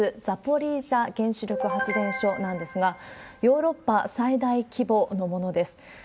ザポリージャ原子力発電所なんですが、ヨーロッパ最大規模のものです。